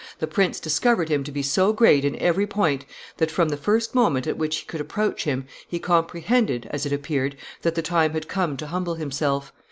"The prince discovered him to be so great in every point that, from the first moment at which he could approach him, he comprehended, as it appeared, that the time had come to humble himself.